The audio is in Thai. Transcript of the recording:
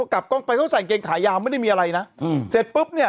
กลับกล้องไปต้องใส่เกงขายาวไม่ได้มีอะไรนะอืมเสร็จปุ๊บเนี่ย